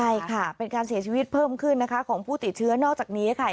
ใช่ค่ะเป็นการเสียชีวิตเพิ่มขึ้นนะคะของผู้ติดเชื้อนอกจากนี้ค่ะ